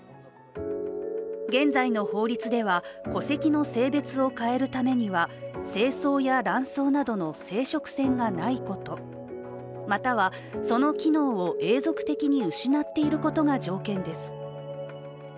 現在の法律では、戸籍の性別を変えるためには精巣や卵巣などの生殖腺がないこと、または、その機能を永続的に失っていることが条件です。